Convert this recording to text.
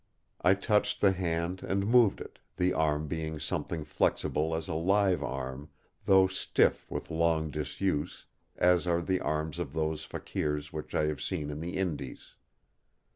I touched the hand and moved it, the arm being something flexible as a live arm; though stiff with long disuse, as are the arms of those faqueers which I have seen in the Indees.